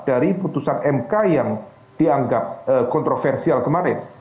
dari putusan mk yang dianggap kontroversial kemarin